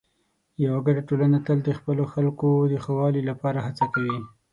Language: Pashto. یوه ګډه ټولنه تل د خپلو خلکو د ښه والي لپاره هڅه کوي.